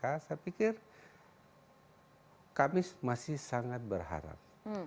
saya pikir kami masih sangat berharap